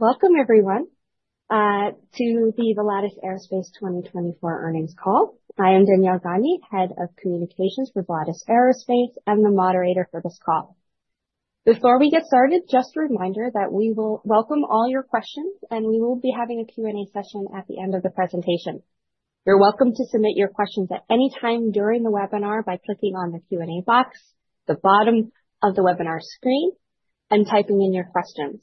Welcome, everyone, to the Volatus Aerospace 2024 earnings call. I am Danielle Gagne, Head of Communications for Volatus Aerospace and the moderator for this call. Before we get started, just a reminder that we will welcome all your questions, and we will be having a Q&A session at the end of the presentation. You're welcome to submit your questions at any time during the webinar by clicking on the Q&A box at the bottom of the webinar screen and typing in your questions.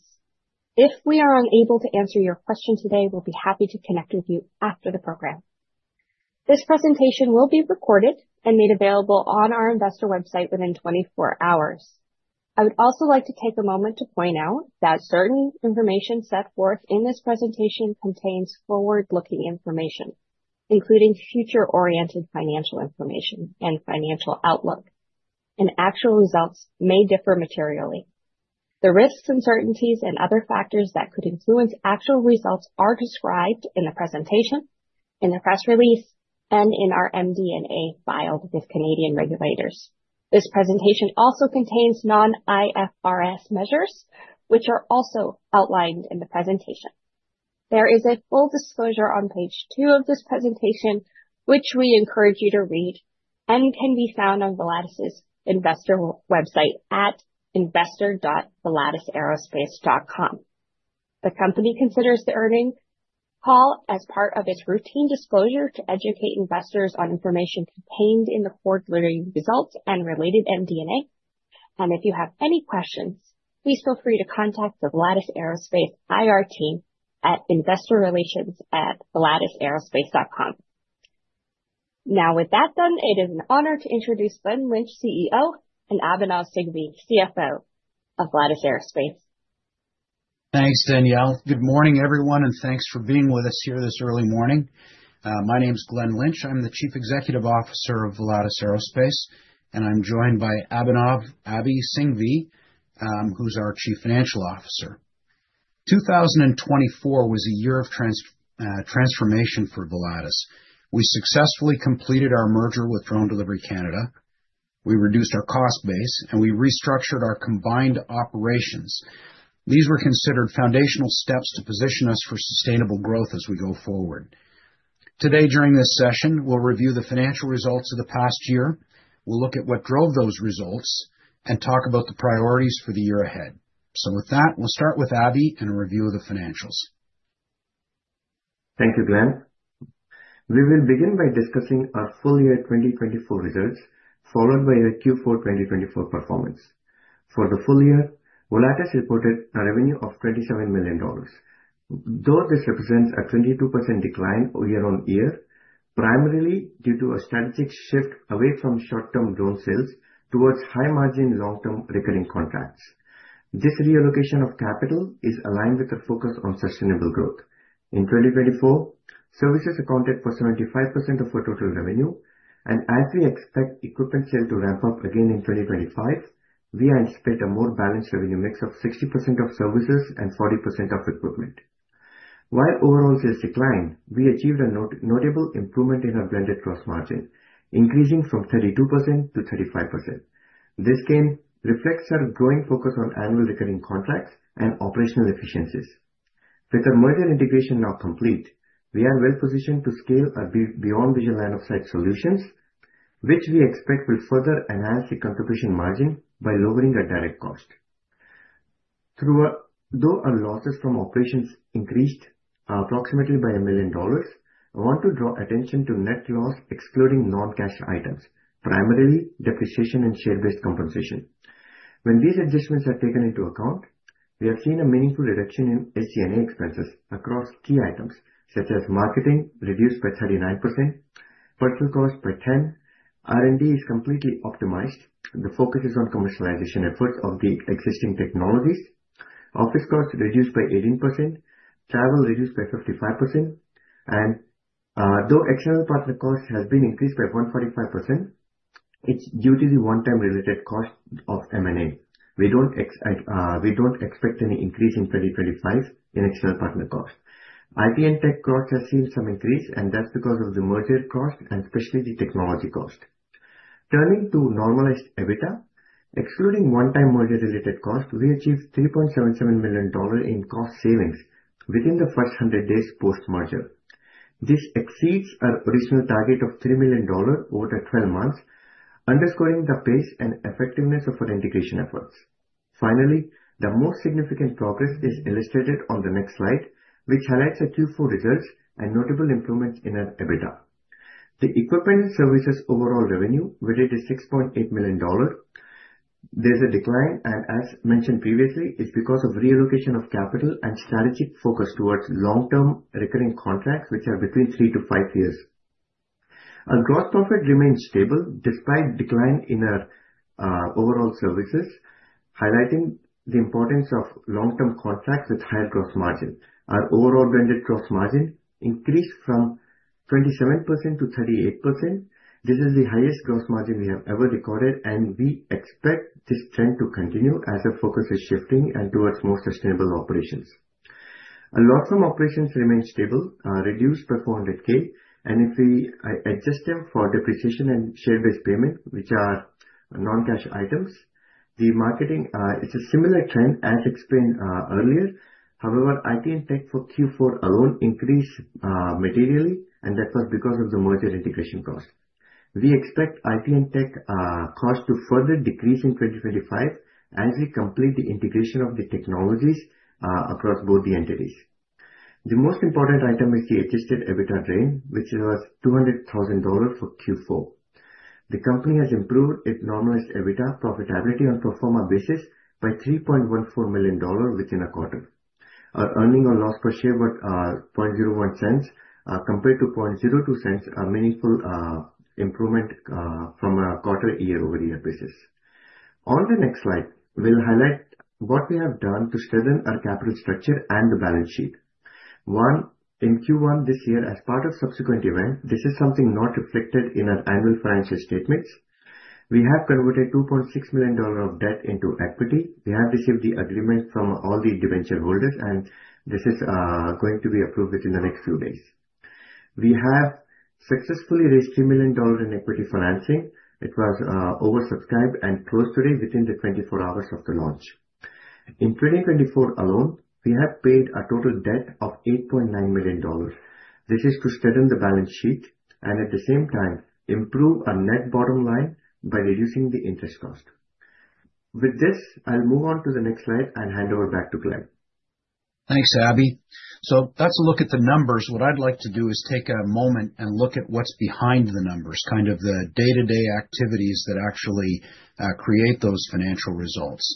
If we are unable to answer your question today, we'll be happy to connect with you after the program. This presentation will be recorded and made available on our investor website within 24 hours. I would also like to take a moment to point out that certain information set forth in this presentation contains forward-looking information, including future-oriented financial information and financial outlook, and actual results may differ materially. The risks, uncertainties, and other factors that could influence actual results are described in the presentation, in the press release, and in our MD&A filed with Canadian regulators. This presentation also contains non-IFRS measures, which are also outlined in the presentation. There is a full disclosure on page two of this presentation, which we encourage you to read, and can be found on Volatus's investor website at investor.volatusaerospace.com. The company considers the earnings call as part of its routine disclosure to educate investors on information contained in the forward-looking results and related MD&A, and if you have any questions, please feel free to contact the Volatus Aerospace IR team at investorrelations@volatusaerospace.com. Now, with that done, it is an honor to introduce Glen Lynch, CEO, and Abhinav Singhvi, CFO of Volatus Aerospace. Thanks, Danielle. Good morning, everyone, and thanks for being with us here this early morning. My name is Glen Lynch. I'm the Chief Executive Officer of Volatus Aerospace, and I'm joined by Abhinav Abhi Singhvi, who's our Chief Financial Officer. 2024 was a year of transformation for Volatus. We successfully completed our merger with Drone Delivery Canada. We reduced our cost base, and we restructured our combined operations. These were considered foundational steps to position us for sustainable growth as we go forward. Today, during this session, we'll review the financial results of the past year. We'll look at what drove those results and talk about the priorities for the year ahead. So, with that, we'll start with Abhi and a review of the financials. Thank you, Glen. We will begin by discussing our full year 2024 results, followed by our Q4 2024 performance. For the full year, Volatus reported a revenue of 27 million dollars. Though this represents a 22% decline year on year, primarily due to a strategic shift away from short-term drone sales towards high-margin, long-term recurring contracts. This reallocation of capital is aligned with a focus on sustainable growth. In 2024, services accounted for 75% of our total revenue, and as we expect equipment sales to ramp up again in 2025, we anticipate a more balanced revenue mix of 60% of services and 40% of equipment. While overall sales declined, we achieved a notable improvement in our blended cost margin, increasing from 32%-35%. This gain reflects our growing focus on annual recurring contracts and operational efficiencies. With our merger integration now complete, we are well positioned to scale our beyond visual line of sight solutions, which we expect will further enhance the contribution margin by lowering our direct cost. Though our losses from operations increased approximately by 1 million dollars, I want to draw attention to net loss excluding non-cash items, primarily depreciation and share-based compensation. When these adjustments are taken into account, we have seen a meaningful reduction in SG&A expenses across key items such as marketing reduced by 39%, personnel costs by 10%, R&D is completely optimized, the focus is on commercialization efforts of the existing technologies, office costs reduced by 18%, travel reduced by 55%, and though external partner cost has been increased by 145%, it's due to the one-time related cost of M&A. We don't expect any increase in 2025 in external partner cost. IT and tech cost has seen some increase, and that's because of the merger cost, and especially the technology cost. Turning to normalized EBITDA, excluding one-time merger-related cost, we achieved CAD 3.77 million in cost savings within the first 100 days post-merger. This exceeds our original target of 3 million dollars over the 12 months, underscoring the pace and effectiveness of our integration efforts. Finally, the most significant progress is illustrated on the next slide, which highlights our Q4 results and notable improvements in our EBITDA. The equipment and services overall revenue we did is 6.8 million dollar. There's a decline, and as mentioned previously, it's because of reallocation of capital and strategic focus towards long-term recurring contracts, which are between three-to-five years. Our gross profit remains stable despite decline in our overall services, highlighting the importance of long-term contracts with higher gross margin. Our overall blended gross margin increased from 27%-38%. This is the highest gross margin we have ever recorded, and we expect this trend to continue as our focus is shifting towards more sustainable operations. Loss from operations remains stable, reduced by CAD 400,000, and if we adjust them for depreciation and share-based payment, which are non-cash items, the margin, it's a similar trend as explained earlier. However, IT and tech for Q4 alone increased materially, and that was because of the merger integration cost. We expect IT and tech cost to further decrease in 2025 as we complete the integration of the technologies across both the entities. The most important item is the Adjusted EBITDA loss, which was 200,000 dollars for Q4. The company has improved its normalized EBITDA profitability on a pro forma basis by 3.14 million dollars within a quarter. Our earnings/loss per share was 0.01, compared to 0.02, a meaningful improvement on a year-over-year basis. On the next slide, we'll highlight what we have done to strengthen our capital structure and the balance sheet. One, in Q1 this year, as part of subsequent events, this is something not reflected in our annual financial statements. We have converted 2.6 million dollars of debt into equity. We have received the agreement from all the debenture holders, and this is going to be approved within the next few days. We have successfully raised 3 million dollar in equity financing. It was oversubscribed and closed today within the 24 hours of the launch. In 2024 alone, we have paid a total debt of 8.9 million dollars. This is to strengthen the balance sheet and at the same time improve our net bottom line by reducing the interest cost. With this, I'll move on to the next slide and hand over back to Glen. Thanks, Abhi. So that's a look at the numbers. What I'd like to do is take a moment and look at what's behind the numbers, kind of the day-to-day activities that actually create those financial results.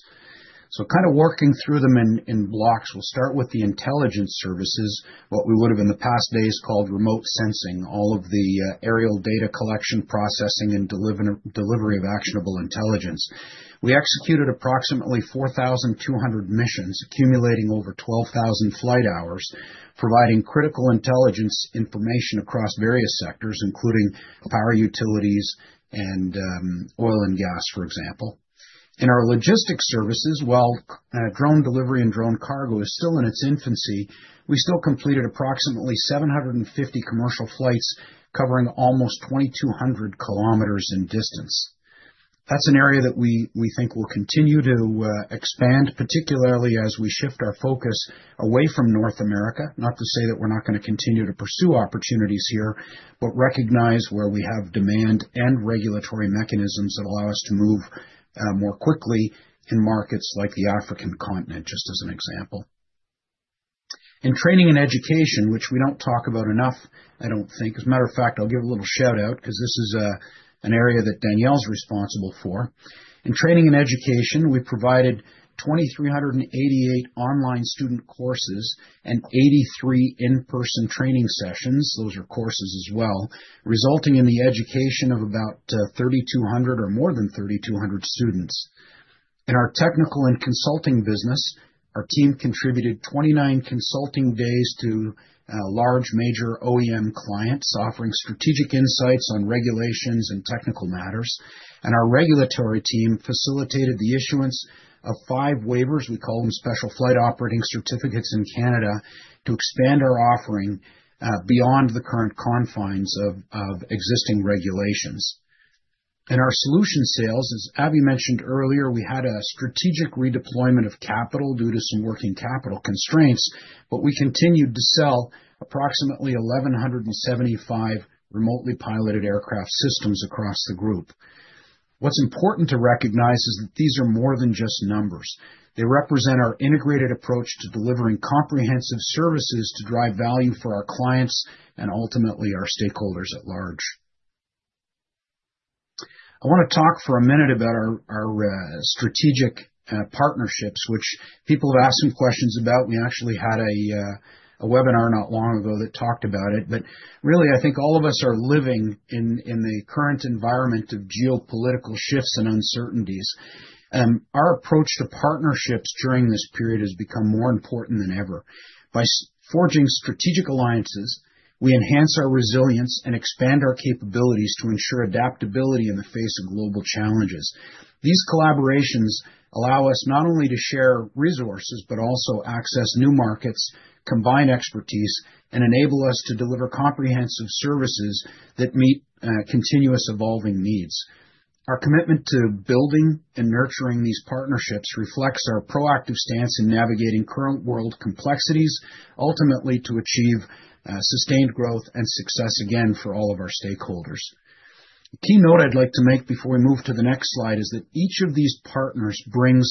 So kind of working through them in blocks, we'll start with the intelligence services, what we would have in the past days called remote sensing, all of the aerial data collection, processing, and delivery of actionable intelligence. We executed approximately 4,200 missions, accumulating over 12,000 flight hours, providing critical intelligence information across various sectors, including power utilities and oil and gas, for example. In our logistics services, while drone delivery and drone cargo is still in its infancy, we still completed approximately 750 commercial flights covering almost 2,200 km in distance. That's an area that we think we'll continue to expand, particularly as we shift our focus away from North America, not to say that we're not going to continue to pursue opportunities here, but recognize where we have demand and regulatory mechanisms that allow us to move more quickly in markets like the African continent, just as an example. In training and education, which we don't talk about enough, I don't think, as a matter of fact, I'll give a little shout out because this is an area that Danielle's responsible for. In training and education, we provided 2,388 online student courses and 83 in-person training sessions. Those are courses as well, resulting in the education of about 3,200 or more than 3,200 students. In our technical and consulting business, our team contributed 29 consulting days to large major OEM clients, offering strategic insights on regulations and technical matters. Our regulatory team facilitated the issuance of five waivers. We call them Special Flight Operating Certificates in Canada to expand our offering beyond the current confines of existing regulations. In our solution sales, as Abhi mentioned earlier, we had a strategic redeployment of capital due to some working capital constraints, but we continued to sell approximately 1,175 remotely piloted aircraft systems across the group. What's important to recognize is that these are more than just numbers. They represent our integrated approach to delivering comprehensive services to drive value for our clients and ultimately our stakeholders at large. I want to talk for a minute about our strategic partnerships, which people have asked some questions about. We actually had a webinar not long ago that talked about it. Really, I think all of us are living in the current environment of geopolitical shifts and uncertainties. Our approach to partnerships during this period has become more important than ever. By forging strategic alliances, we enhance our resilience and expand our capabilities to ensure adaptability in the face of global challenges. These collaborations allow us not only to share resources, but also access new markets, combine expertise, and enable us to deliver comprehensive services that meet continuous evolving needs. Our commitment to building and nurturing these partnerships reflects our proactive stance in navigating current world complexities, ultimately to achieve sustained growth and success again for all of our stakeholders. A key note I'd like to make before we move to the next slide is that each of these partners brings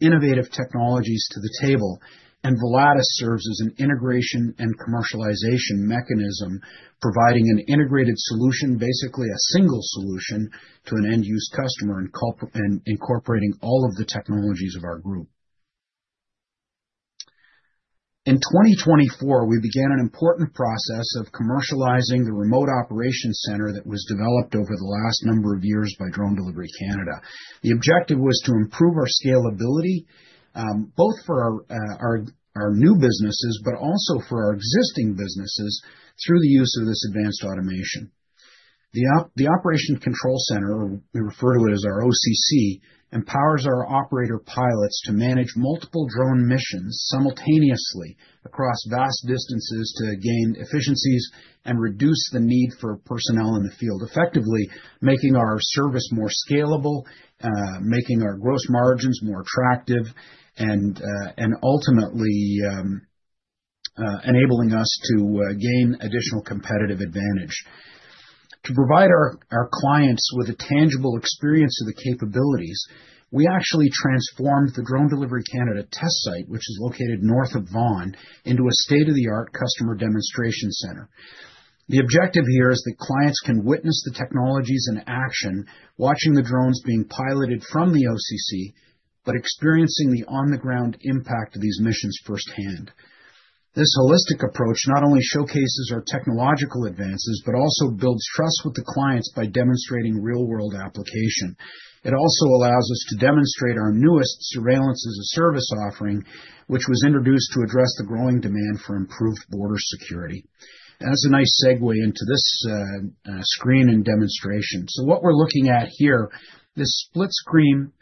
innovative technologies to the table, and Volatus serves as an integration and commercialization mechanism, providing an integrated solution, basically a single solution to an end-use customer and incorporating all of the technologies of our group. In 2024, we began an important process of commercializing the remote operations center that was developed over the last number of years by Drone Delivery Canada. The objective was to improve our scalability both for our new businesses, but also for our existing businesses through the use of this advanced automation. The Operations Control Centre, or we refer to it as our OCC, empowers our operator pilots to manage multiple drone missions simultaneously across vast distances to gain efficiencies and reduce the need for personnel in the field, effectively making our service more scalable, making our gross margins more attractive, and ultimately enabling us to gain additional competitive advantage. To provide our clients with a tangible experience of the capabilities, we actually transformed the Drone Delivery Canada test site, which is located north of Vaughan, into a state-of-the-art customer demonstration center. The objective here is that clients can witness the technologies in action, watching the drones being piloted from the OCC, but experiencing the on-the-ground impact of these missions firsthand. This holistic approach not only showcases our technological advances, but also builds trust with the clients by demonstrating real-world application. It also allows us to demonstrate our newest Surveillance as a Service offering, which was introduced to address the growing demand for improved border security. That's a nice segue into this screen and demonstration. So what we're looking at here, this split screen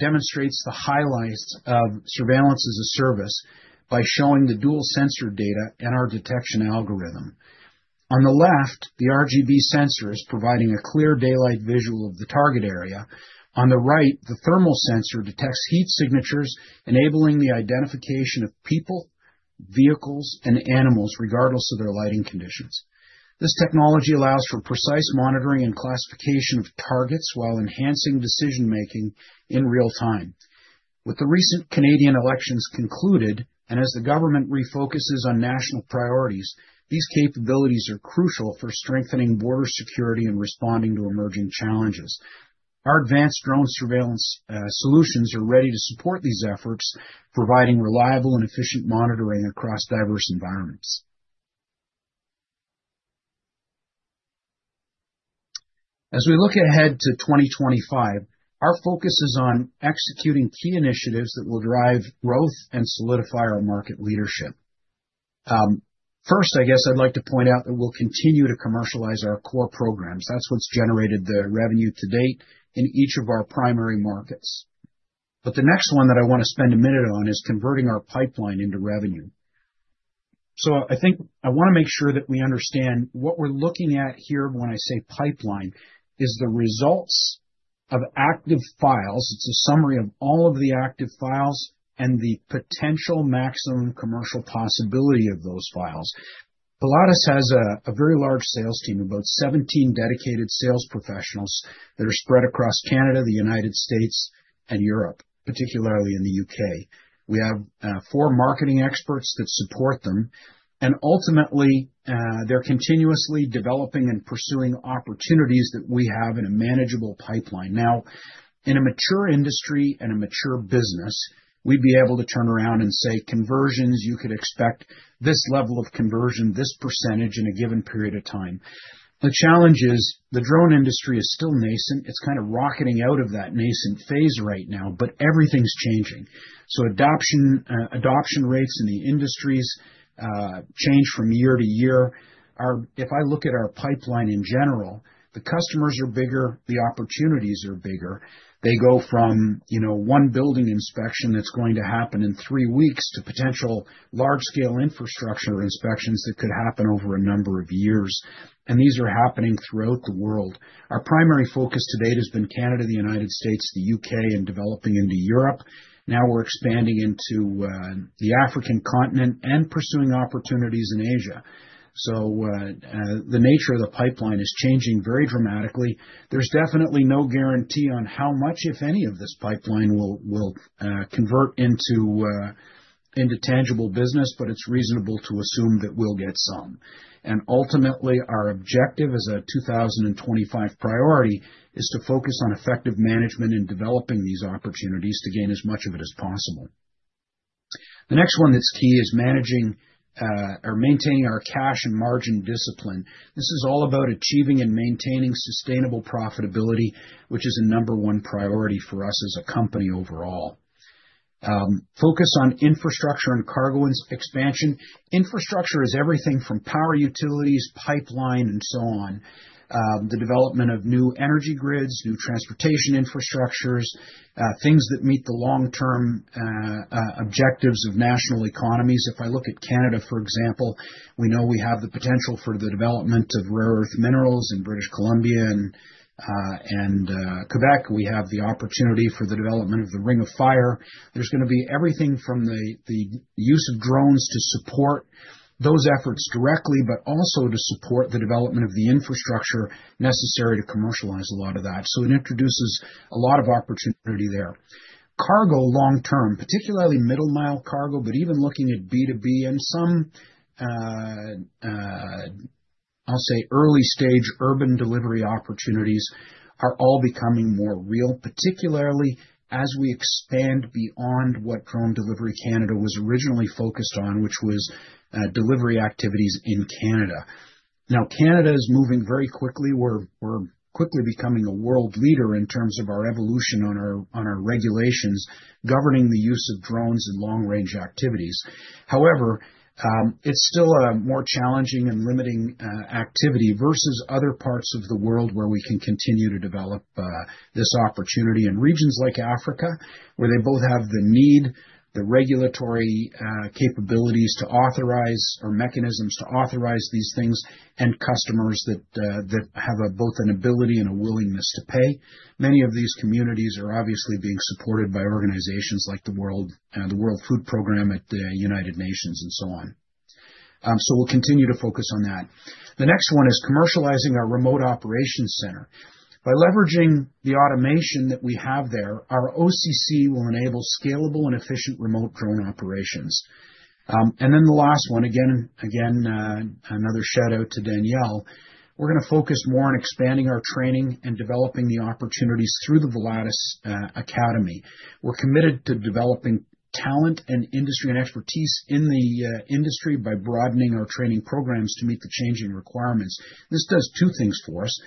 demonstrates the highlights of Surveillance as a Service by showing the dual sensor data and our detection algorithm. On the left, the RGB sensor is providing a clear daylight visual of the target area. On the right, the thermal sensor detects heat signatures, enabling the identification of people, vehicles, and animals regardless of their lighting conditions. This technology allows for precise monitoring and classification of targets while enhancing decision-making in real time. With the recent Canadian elections concluded, and as the government refocuses on national priorities, these capabilities are crucial for strengthening border security and responding to emerging challenges. Our advanced drone surveillance solutions are ready to support these efforts, providing reliable and efficient monitoring across diverse environments. As we look ahead to 2025, our focus is on executing key initiatives that will drive growth and solidify our market leadership. First, I guess I'd like to point out that we'll continue to commercialize our core programs. That's what's generated the revenue to date in each of our primary markets, but the next one that I want to spend a minute on is converting our pipeline into revenue, so I think I want to make sure that we understand what we're looking at here. When I say pipeline, it is the results of active files. It's a summary of all of the active files and the potential maximum commercial possibility of those files. Volatus has a very large sales team, about 17 dedicated sales professionals that are spread across Canada, the United States, and Europe, particularly in the U.K. We have four marketing experts that support them. And ultimately, they're continuously developing and pursuing opportunities that we have in a manageable pipeline. Now, in a mature industry and a mature business, we'd be able to turn around and say, "Conversions, you could expect this level of conversion, this percentage in a given period of time." The challenge is the drone industry is still nascent. It's kind of rocketing out of that nascent phase right now, but everything's changing, so adoption rates in the industries change from year to year. If I look at our pipeline in general, the customers are bigger, the opportunities are bigger. They go from one building inspection that's going to happen in three weeks to potential large-scale infrastructure inspections that could happen over a number of years. And these are happening throughout the world. Our primary focus to date has been Canada, the United States, the U.K., and developing into Europe. Now we're expanding into the African continent and pursuing opportunities in Asia. So the nature of the pipeline is changing very dramatically. There's definitely no guarantee on how much, if any, of this pipeline will convert into tangible business, but it's reasonable to assume that we'll get some. And ultimately, our objective as a 2025 priority is to focus on effective management and developing these opportunities to gain as much of it as possible. The next one that's key is managing or maintaining our cash and margin discipline. This is all about achieving and maintaining sustainable profitability, which is a number one priority for us as a company overall. Focus on infrastructure and cargo expansion. Infrastructure is everything from power utilities, pipeline, and so on. The development of new energy grids, new transportation infrastructures, things that meet the long-term objectives of national economies. If I look at Canada, for example, we know we have the potential for the development of rare earth minerals in British Columbia and Quebec. We have the opportunity for the development of the Ring of Fire. There's going to be everything from the use of drones to support those efforts directly, but also to support the development of the infrastructure necessary to commercialize a lot of that. So it introduces a lot of opportunity there. Cargo long-term, particularly middle-mile cargo, but even looking at B2B and some, I'll say, early-stage urban delivery opportunities are all becoming more real, particularly as we expand beyond what Drone Delivery Canada was originally focused on, which was delivery activities in Canada. Now, Canada is moving very quickly. We're quickly becoming a world leader in terms of our evolution on our regulations governing the use of drones and long-range activities. However, it's still a more challenging and limiting activity versus other parts of the world where we can continue to develop this opportunity in regions like Africa, where they both have the need, the regulatory capabilities to authorize or mechanisms to authorize these things, and customers that have both an ability and a willingness to pay. Many of these communities are obviously being supported by organizations like the World Food Programme at the United Nations and so on. So we'll continue to focus on that. The next one is commercializing our remote operations center. By leveraging the automation that we have there, our OCC will enable scalable and efficient remote drone operations. And then the last one, again, another shout out to Danielle. We're going to focus more on expanding our training and developing the opportunities through the Volatus Academy. We're committed to developing talent and industry and expertise in the industry by broadening our training programs to meet the changing requirements. This does two things for us.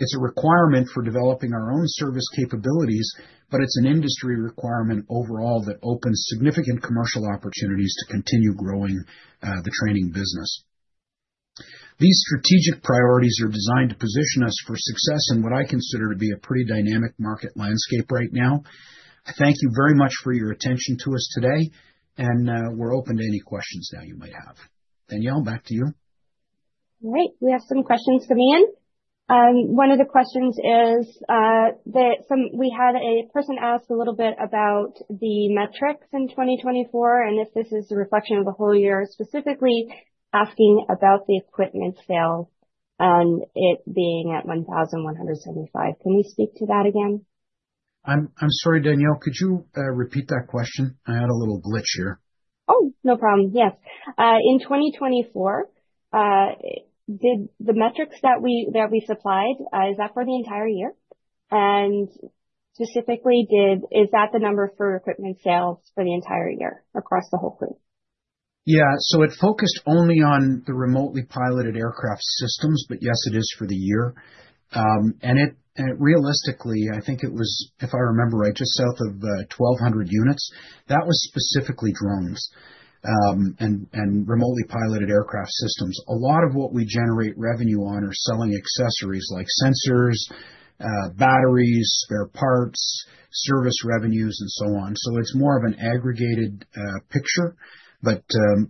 It's a requirement for developing our own service capabilities, but it's an industry requirement overall that opens significant commercial opportunities to continue growing the training business. These strategic priorities are designed to position us for success in what I consider to be a pretty dynamic market landscape right now. Thank you very much for your attention to us today. We're open to any questions that you might have. Danielle, back to you. All right. We have some questions coming in. One of the questions is that we had a person ask a little bit about the metrics in 2024 and if this is a reflection of the whole year, specifically asking about the equipment sales and it being at 1,175. Can we speak to that again? I'm sorry, Danielle. Could you repeat that question? I had a little glitch here. Oh, no problem. Yes. In 2024, did the metrics that we supplied, is that for the entire year? And specifically, is that the number for equipment sales for the entire year across the whole group? Yeah. So it focused only on the remotely piloted aircraft systems, but yes, it is for the year. And realistically, I think it was, if I remember right, just south of 1,200 units. That was specifically drones and remotely piloted aircraft systems. A lot of what we generate revenue on are selling accessories like sensors, batteries, spare parts, service revenues, and so on. So it's more of an aggregated picture. But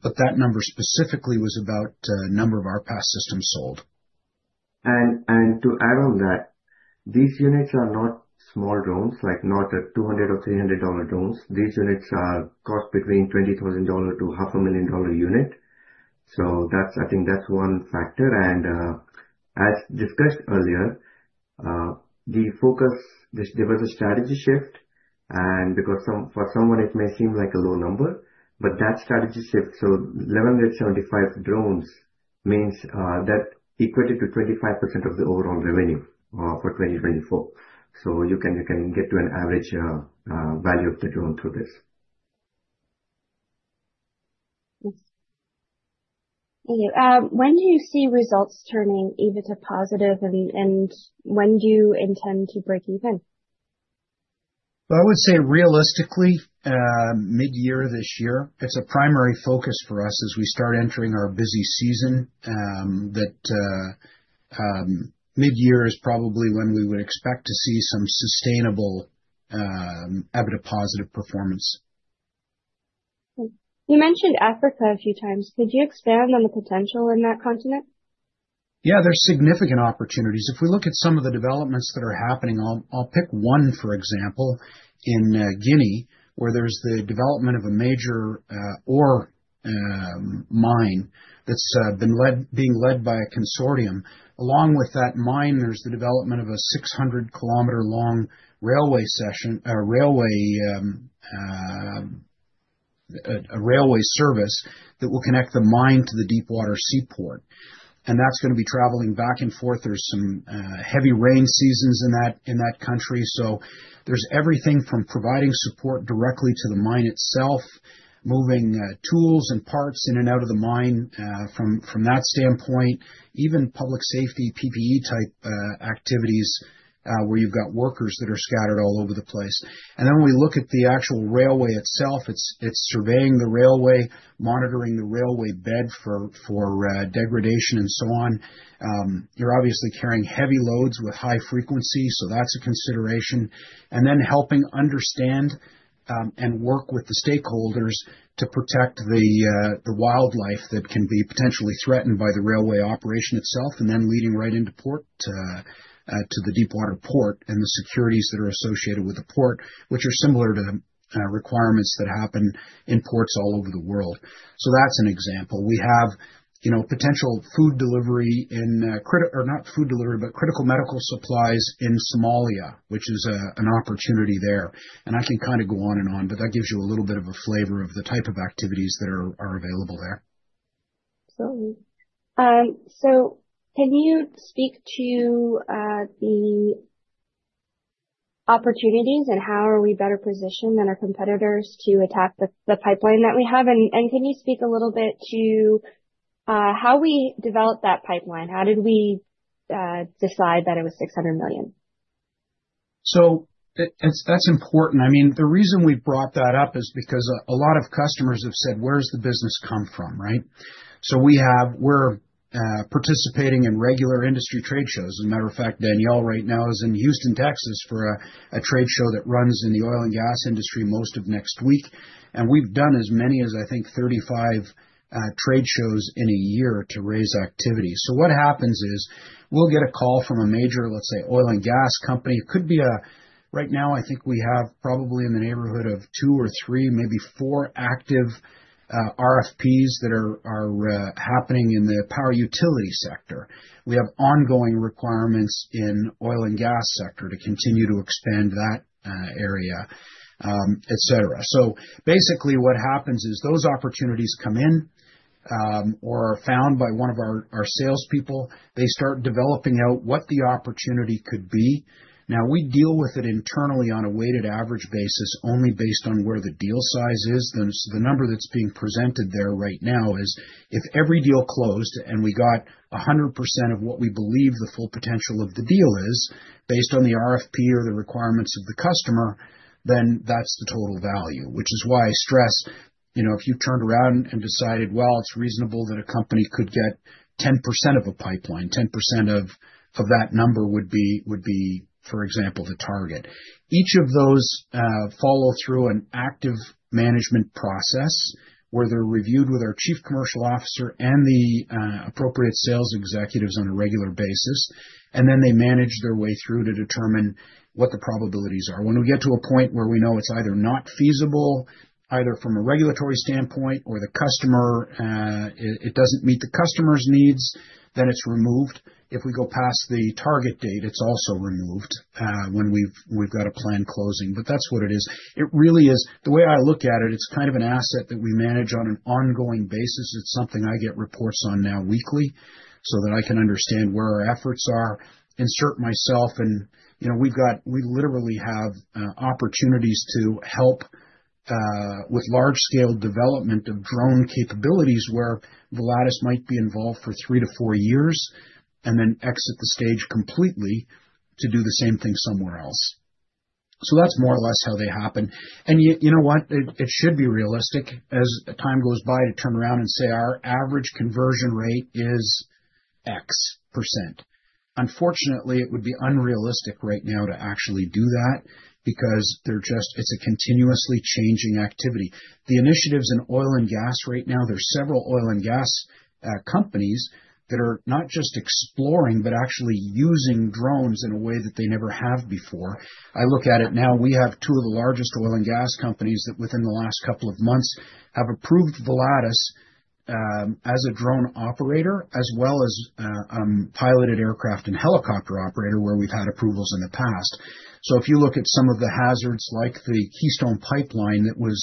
that number specifically was about the number of our past systems sold. And to add on that, these units are not small drones, like not 200 or 300-dollar drones. These units cost between 20,000-500,000 dollar per unit. So I think that's one factor. And as discussed earlier, there was a strategy shift. And for someone, it may seem like a low number, but that strategy shift. So 1,175 drones means that equated to 25% of the overall revenue for 2024. So you can get to an average value of the drone through this. Thank you. When do you see results turning even to positive, and when do you intend to break even? Well, I would say realistically, mid-year this year. It's a primary focus for us as we start entering our busy season, that mid-year is probably when we would expect to see some sustainable positive performance. You mentioned Africa a few times. Could you expand on the potential in that continent? Yeah, there's significant opportunities. If we look at some of the developments that are happening, I'll pick one, for example, in Guinea, where there's the development of a major ore mine that's being led by a consortium. Along with that mine, there's the development of a 600 km-long railway service that will connect the mine to the deep-water seaport. And that's going to be traveling back and forth. There's some heavy rain seasons in that country. So there's everything from providing support directly to the mine itself, moving tools and parts in and out of the mine from that standpoint, even public safety, PPE-type activities where you've got workers that are scattered all over the place. And then when we look at the actual railway itself, it's surveying the railway, monitoring the railway bed for degradation and so on. You're obviously carrying heavy loads with high frequency, so that's a consideration. And then helping understand and work with the stakeholders to protect the wildlife that can be potentially threatened by the railway operation itself, and then leading right into port to the deep-water port and the securities that are associated with the port, which are similar to requirements that happen in ports all over the world. So that's an example. We have potential food delivery, not food delivery, but critical medical supplies in Somalia, which is an opportunity there. And I can kind of go on and on, but that gives you a little bit of a flavor of the type of activities that are available there. Absolutely. So can you speak to the opportunities and how are we better positioned than our competitors to attack the pipeline that we have? And can you speak a little bit to how we developed that pipeline? How did we decide that it was 600 million? So that's important. I mean, the reason we brought that up is because a lot of customers have said, "Where's the business come from?" Right? So we're participating in regular industry trade shows. As a matter of fact, Danielle right now is in Houston, Texas, for a trade show that runs in the oil and gas industry most of next week, and we've done as many as, I think, 35 trade shows in a year to raise activity, so what happens is we'll get a call from a major, let's say, oil and gas company. It could be. Right now, I think we have probably in the neighborhood of two or three, maybe four active RFPs that are happening in the power utility sector. We have ongoing requirements in the oil and gas sector to continue to expand that area, etc., so basically, what happens is those opportunities come in or are found by one of our salespeople. They start developing out what the opportunity could be. Now, we deal with it internally on a weighted average basis only based on where the deal size is. The number that's being presented there right now is if every deal closed and we got 100% of what we believe the full potential of the deal is based on the RFP or the requirements of the customer, then that's the total value, which is why I stress if you turned around and decided, "Well, it's reasonable that a company could get 10% of a pipeline, 10% of that number would be, for example, the target." Each of those follow through an active management process where they're reviewed with our Chief Commercial Officer and the appropriate sales executives on a regular basis, and then they manage their way through to determine what the probabilities are. When we get to a point where we know it's either not feasible, either from a regulatory standpoint or the customer it doesn't meet the customer's needs, then it's removed. If we go past the target date, it's also removed when we've got a planned closing, but that's what it is. It really is. The way I look at it, it's kind of an asset that we manage on an ongoing basis. It's something I get reports on now weekly so that I can understand where our efforts are, insert myself, and we literally have opportunities to help with large-scale development of drone capabilities where Volatus might be involved for three to four years and then exit the stage completely to do the same thing somewhere else. So that's more or less how they happen, and you know what? It should be realistic as time goes by to turn around and say, "Our average conversion rate is X%." Unfortunately, it would be unrealistic right now to actually do that because it's a continuously changing activity. The initiatives in oil and gas right now, there's several oil and gas companies that are not just exploring, but actually using drones in a way that they never have before. I look at it now. We have two of the largest oil and gas companies that within the last couple of months have approved Volatus as a drone operator as well as a piloted aircraft and helicopter operator where we've had approvals in the past. So if you look at some of the hazards like the Keystone Pipeline that was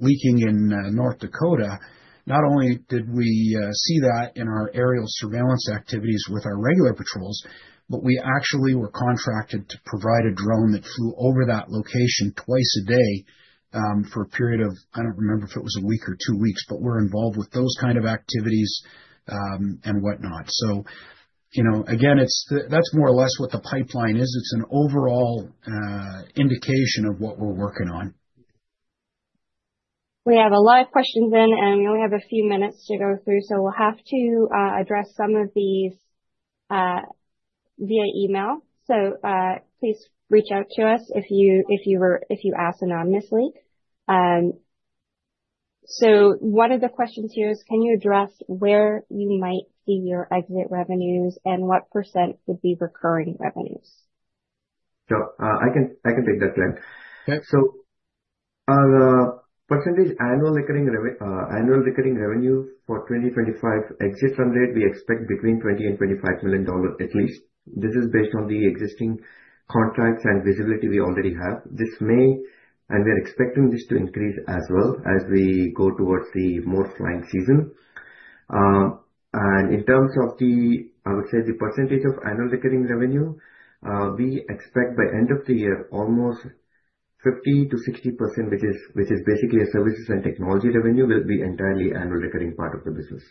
leaking in North Dakota, not only did we see that in our aerial surveillance activities with our regular patrols, but we actually were contracted to provide a drone that flew over that location twice a day for a period of I don't remember if it was a week or two weeks, but we're involved with those kinds of activities and whatnot. So again, that's more or less what the pipeline is. It's an overall indication of what we're working on. We have a lot of questions in, and we only have a few minutes to go through. So we'll have to address some of these via email. So please reach out to us if you ask anonymously. One of the questions here is, can you address where you might see your exit revenues and what percent would be recurring revenues? Sure. I can take that question. Our annual recurring revenue for 2025 exit run rate, we expect between 20 million and 25 million dollars at least. This is based on the existing contracts and visibility we already have. This may, and we are expecting this to increase as well as we go towards the more flying season. In terms of the, I would say, the percentage of annual recurring revenue, we expect by end of the year, almost 50%-60%, which is basically a services and technology revenue, will be entirely annual recurring part of the business.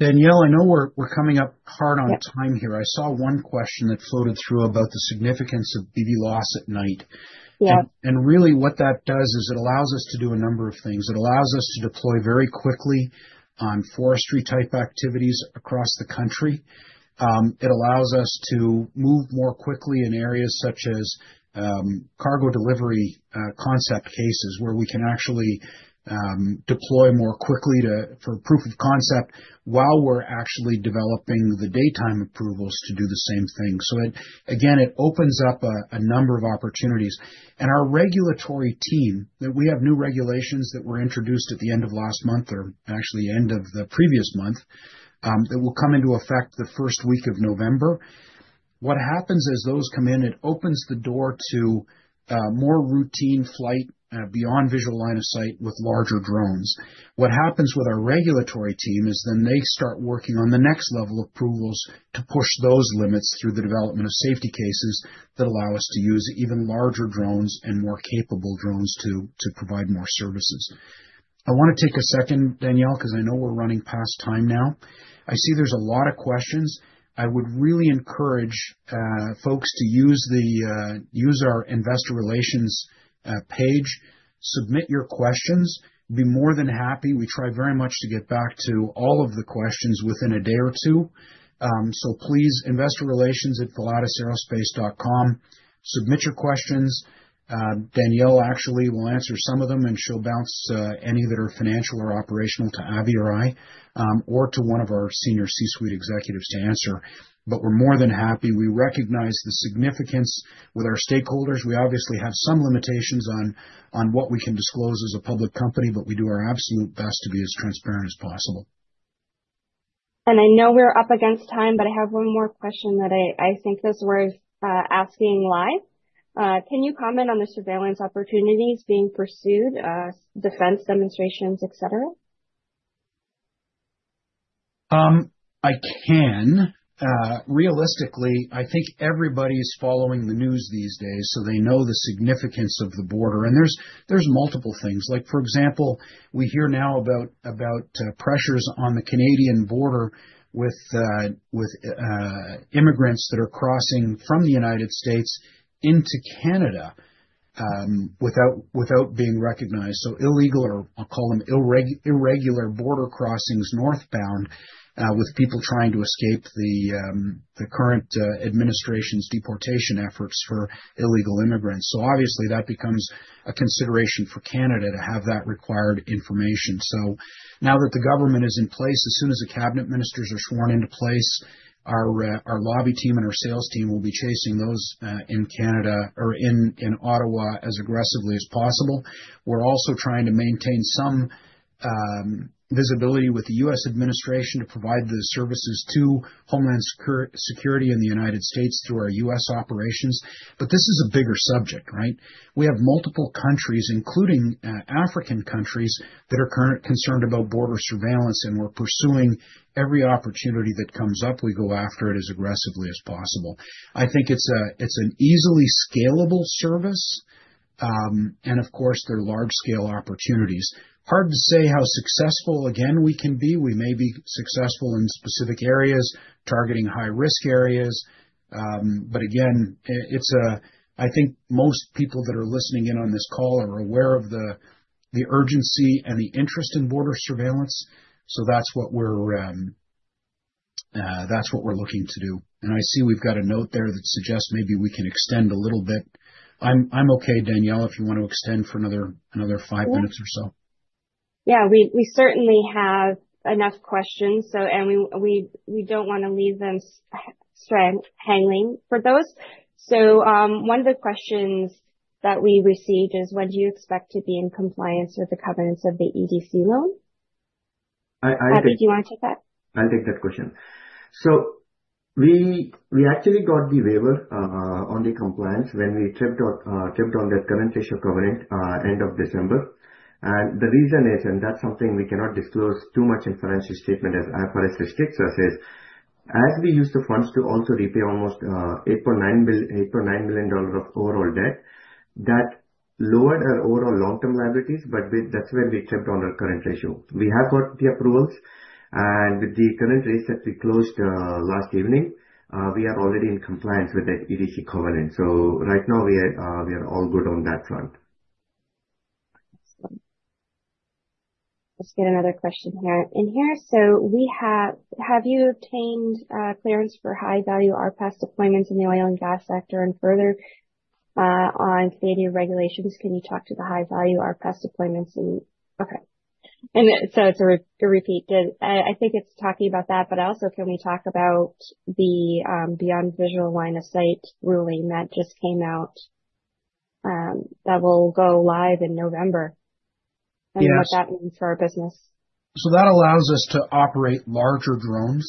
Danielle, I know we're coming up short on time here. I saw one question that floated through about the significance of BVLOS at night. Really, what that does is it allows us to do a number of things. It allows us to deploy very quickly on forestry-type activities across the country. It allows us to move more quickly in areas such as cargo delivery concept cases where we can actually deploy more quickly for proof of concept while we're actually developing the daytime approvals to do the same thing. So again, it opens up a number of opportunities. Our regulatory team, we have new regulations that were introduced at the end of last month or actually the end of the previous month that will come into effect the first week of November. What happens as those come in, it opens the door to more routine flight beyond visual line of sight with larger drones. What happens with our regulatory team is then they start working on the next level of approvals to push those limits through the development of safety cases that allow us to use even larger drones and more capable drones to provide more services. I want to take a second, Danielle, because I know we're running past time now. I see there's a lot of questions. I would really encourage folks to use our investor relations page, submit your questions. We'd be more than happy. We try very much to get back to all of the questions within a day or two. So please, investorrelations@volatusaerospace.com, submit your questions. Danielle actually will answer some of them, and she'll bounce any that are financial or operational to Abhi or I or to one of our senior C-suite executives to answer. But we're more than happy. We recognize the significance with our stakeholders. We obviously have some limitations on what we can disclose as a public company, but we do our absolute best to be as transparent as possible. And I know we're up against time, but I have one more question that I think it's worth asking live. Can you comment on the surveillance opportunities being pursued, defense demonstrations, etc.? I can. Realistically, I think everybody is following the news these days, so they know the significance of the border, and there's multiple things. For example, we hear now about pressures on the Canadian border with immigrants that are crossing from the United States into Canada without being recognized, so illegal, or I'll call them irregular border crossings northbound with people trying to escape the current administration's deportation efforts for illegal immigrants, so obviously, that becomes a consideration for Canada to have that required information. So now that the government is in place, as soon as the cabinet ministers are sworn into place, our lobby team and our sales team will be chasing those in Canada or in Ottawa as aggressively as possible. We're also trying to maintain some visibility with the U.S. administration to provide the services to Homeland Security in the United States through our U.S. operations. But this is a bigger subject, right? We have multiple countries, including African countries, that are concerned about border surveillance, and we're pursuing every opportunity that comes up. We go after it as aggressively as possible. I think it's an easily scalable service. And of course, there are large-scale opportunities. Hard to say how successful, again, we can be. We may be successful in specific areas, targeting high-risk areas. But again, I think most people that are listening in on this call are aware of the urgency and the interest in border surveillance. So that's what we're looking to do. And I see we've got a note there that suggests maybe we can extend a little bit. I'm okay, Danielle, if you want to extend for another five minutes or so. Yeah. We certainly have enough questions, and we don't want to leave them hanging for those. So one of the questions that we received is, "When do you expect to be in compliance with the covenants of the EDC loan?" Do you want to take that? I take that question. So we actually got the waiver on the compliance when we tripped on the current ratio covenant end of December. And the reason is, and that's something we cannot disclose too much in financial statement as far as restricts us, is as we use the funds to also repay almost 8.9 million dollars of overall debt, that lowered our overall long-term liabilities, but that's when we tripped on our current ratio. We have got the approvals. And with the current rates that we closed last evening, we are already in compliance with the EDC covenant. So right now, we are all good on that front. Let's get another question in here. So have you obtained clearance for high-value RPAS deployments in the oil and gas sector and further on Canadian regulations? Can you talk to the high-value RPAS deployments? Okay. And so it's a repeat. I think it's talking about that, but also, can we talk about the beyond visual line of sight ruling that just came out that will go live in November and what that means for our business? So that allows us to operate larger drones,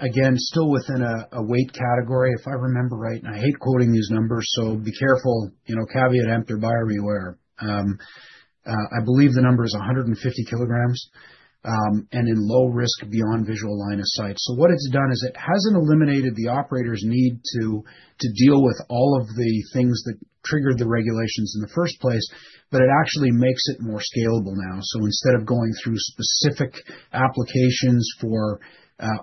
again, still within a weight category, if I remember right. And I hate quoting these numbers, so be careful. Caveat emptor, buyer beware. I believe the number is 150 kg and in low risk beyond visual line of sight. So what it's done is it hasn't eliminated the operator's need to deal with all of the things that triggered the regulations in the first place, but it actually makes it more scalable now. So instead of going through specific applications for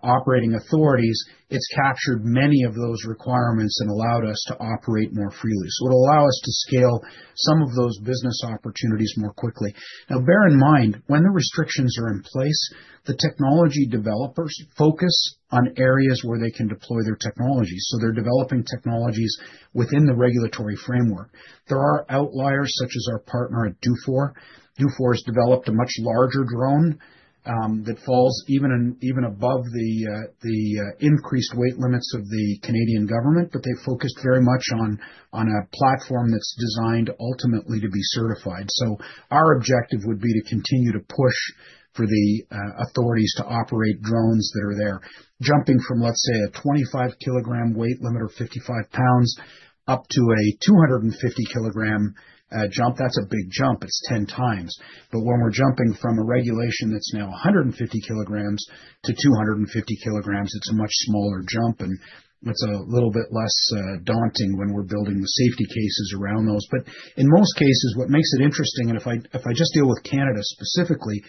operating authorities, it's captured many of those requirements and allowed us to operate more freely. So it'll allow us to scale some of those business opportunities more quickly. Now, bear in mind, when the restrictions are in place, the technology developers focus on areas where they can deploy their technologies. So they're developing technologies within the regulatory framework. There are outliers such as our partner at Dufour. Dufour has developed a much larger drone that falls even above the increased weight limits of the Canadian government, but they focused very much on a platform that's designed ultimately to be certified. So our objective would be to continue to push for the authorities to operate drones that are there, jumping from, let's say, a 25 kg weight limit or 55 pounds up to a 250 kg jump. That's a big jump. It's 10 times. But when we're jumping from a regulation that's now 150 kg-250 kg, it's a much smaller jump. It's a little bit less daunting when we're building the safety cases around those. In most cases, what makes it interesting, and if I just deal with Canada specifically,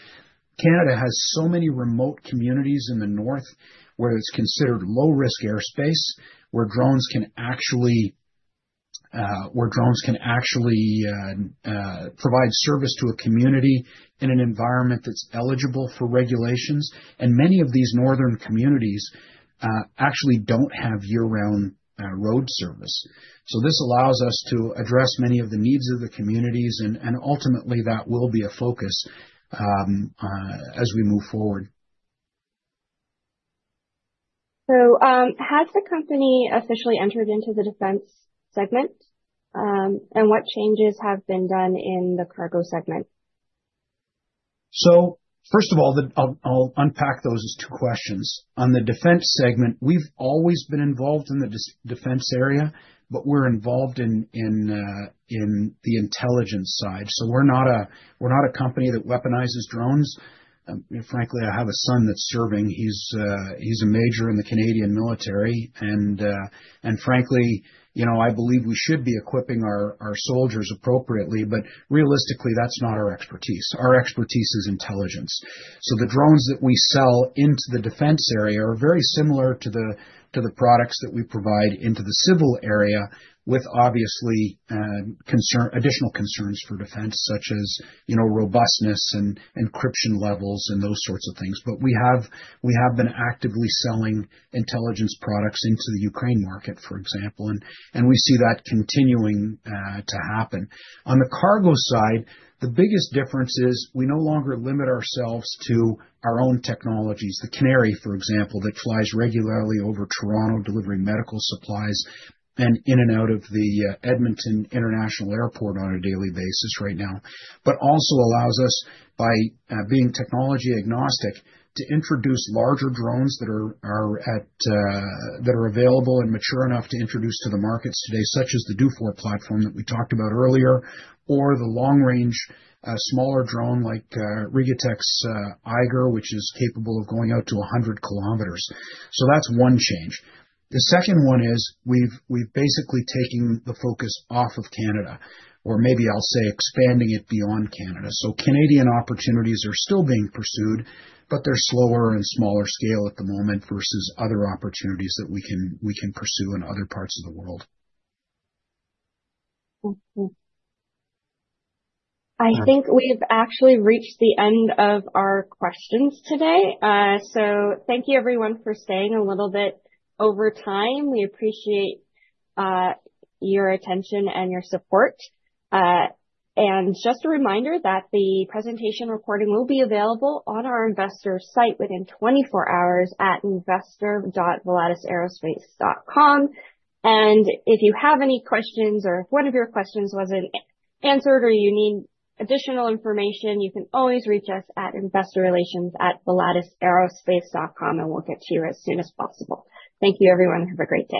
Canada has so many remote communities in the north where it's considered low-risk airspace, where drones can actually provide service to a community in an environment that's eligible for regulations. Many of these northern communities actually don't have year-round road service. This allows us to address many of the needs of the communities. Ultimately, that will be a focus as we move forward. Has the company officially entered into the defense segment? What changes have been done in the cargo segment? First of all, I'll unpack those as two questions. On the defense segment, we've always been involved in the defense area, but we're involved in the intelligence side. So we're not a company that weaponizes drones. Frankly, I have a son that's serving. He's a major in the Canadian military. And frankly, I believe we should be equipping our soldiers appropriately. But realistically, that's not our expertise. Our expertise is intelligence. So the drones that we sell into the defense area are very similar to the products that we provide into the civil area with, obviously, additional concerns for defense, such as robustness and encryption levels and those sorts of things. But we have been actively selling intelligence products into the Ukraine market, for example. And we see that continuing to happen. On the cargo side, the biggest difference is we no longer limit ourselves to our own technologies. The Canary, for example, that flies regularly over Toronto delivering medical supplies and in and out of the Edmonton International Airport on a daily basis right now, but also allows us, by being technology agnostic, to introduce larger drones that are available and mature enough to introduce to the markets today, such as the Dufour platform that we talked about earlier, or the long-range smaller drone like RigiTech's Eiger, which is capable of going out to 100 km. So that's one change. The second one is we've basically taken the focus off of Canada, or maybe I'll say expanding it beyond Canada. So Canadian opportunities are still being pursued, but they're slower and smaller scale at the moment versus other opportunities that we can pursue in other parts of the world. I think we've actually reached the end of our questions today. So thank you, everyone, for staying a little bit over time. We appreciate your attention and your support. And just a reminder that the presentation recording will be available on our investor site within 24 hours at investor.volatusaerospace.com. And if you have any questions or if one of your questions wasn't answered or you need additional information, you can always reach us at investorrelations@volatusaerospace.com, and we'll get to you as soon as possible. Thank you, everyone. Have a great day.